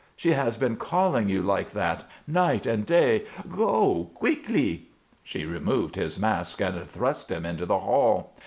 She has been calling you like that, night and day. Go quickly!" She removed his mask and thrust him into the hall.